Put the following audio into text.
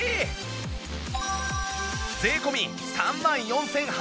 税込３万４８００円